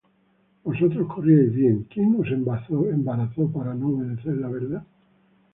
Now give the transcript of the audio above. Vosotros corríais bien: ¿quién os embarazó para no obedecer á la verdad?